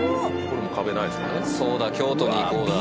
「そうだ京都、行こう。」だ。